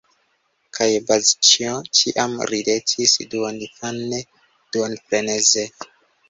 Kaj Bazĉjo ĉiam ridetis duoninfane, duonfreneze.